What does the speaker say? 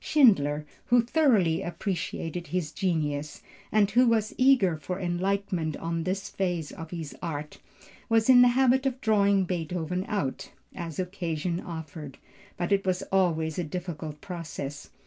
Schindler, who thoroughly appreciated his genius, and who was eager for enlightenment on this phase of his art, was in the habit of drawing Beethoven out, as occasion offered, but it was always a difficult process.